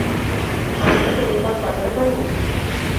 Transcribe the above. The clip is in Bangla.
আমি একটা রেকর্ড বাজাতে পারি?